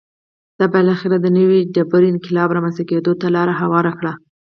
دا بالاخره د نوې ډبرې انقلاب رامنځته کېدو ته لار هواره کړه